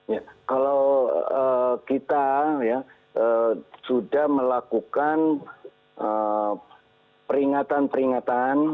ya kalau kita sudah melakukan peringatan peringatan